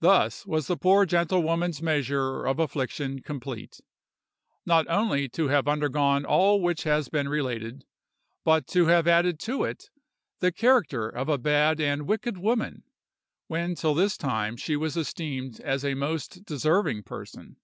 "Thus was the poor gentlewoman's measure of affliction complete, not only to have undergone all which has been related, but to have added to it the character of a bad and wicked woman, when till this time she was esteemed as a most deserving person.